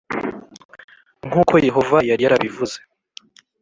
nk uko Yehova yari yarabivuze